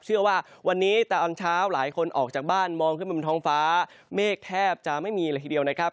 เชื่อว่าวันนี้ตอนเช้าหลายคนออกจากบ้านมองขึ้นไปบนท้องฟ้าเมฆแทบจะไม่มีเลยทีเดียวนะครับ